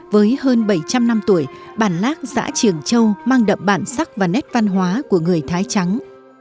với hơn bảy trăm linh năm tuổi bản lác giã trường châu mang đậm bản sắc và nét văn hóa của người thái trắng